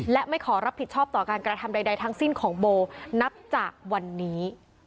และไม่ขอรับผิดชอบต่อการกระทำใดทั้งสิ้นของโบนับจากวันนี้